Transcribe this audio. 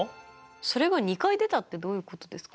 それが２回出たってどういうことですか？